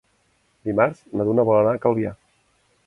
Dimarts na Duna vol anar a Calvià.